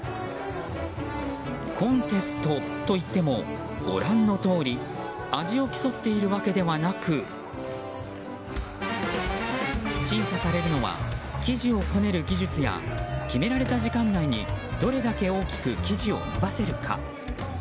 コンテストといってもご覧のとおり味を競っているわけではなく審査されるのは生地をこねる技術や決められた時間内にどれだけ大きく生地をのばせるか。